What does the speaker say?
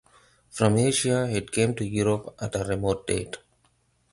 From Asia, it came to Europe at a remote date.